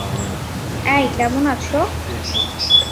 এই, কেমন আছো?